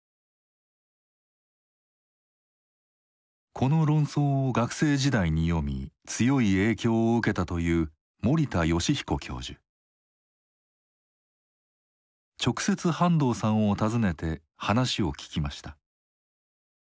この論争を学生時代に読み強い影響を受けたという直接半藤さんを訪ねて話を聞きました。